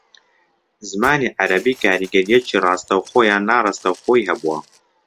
زمانی عەرەبی کاریگەرییەکی ڕاستەوخۆ یان ناڕاستەوخۆیی ھەبووە